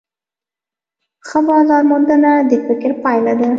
ښه بازارموندنه د فکر پایله ده.